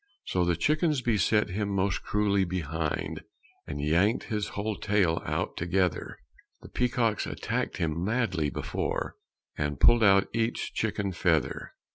So the chickens beset him most cruelly behind, And yanked his whole tail out together; The peacocks attacked him madly before, And pulled out each chicken feather.